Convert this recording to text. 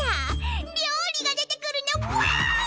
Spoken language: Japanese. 料理が出てくるのワオ！